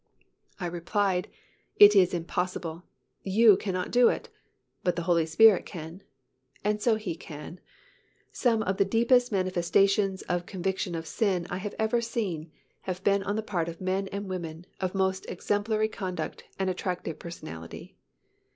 I replied, "It is impossible. You cannot do it, but the Holy Spirit can." And so He can. Some of the deepest manifestations of conviction of sin I have ever seen have been on the part of men and women of most exemplary conduct and attractive personality.